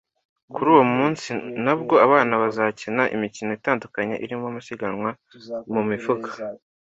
Kuri uwo munsi ngo abana bazakina imikino itandukanye irimo amasiganwa mu mifuka